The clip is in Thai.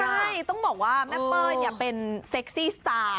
ใช่ต้องบอกว่าแม่เป้ยเป็นเซ็กซี่สไตล์